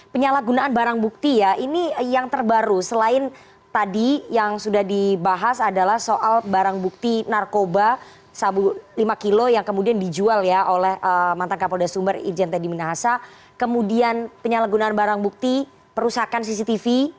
pernah pernahan barang bukti perusahaan cctv